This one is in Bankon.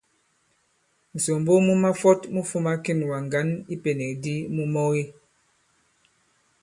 Ŋ̀sòmbo mu mafɔt mu fūma kinùgà ŋgǎn i ipènèk di mu mɔge.